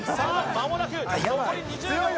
まもなく残り２０秒